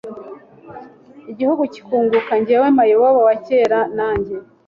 igihugu kikunguka, njyewe mayibobo wa cyera nanjye